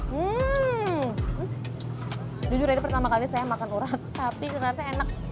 hmm jujur ya pertama kali saya makan urat sapi ternyata enak